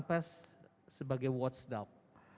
pers sebagai watchdog